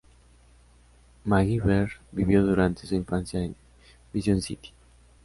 MacGyver vivió durante su infancia en Mission City.